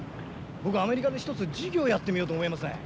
僕アメリカでひとつ事業やってみようと思いますねん。